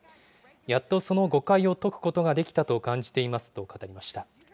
やっとその誤解を解くことができたと感じていますと語りました。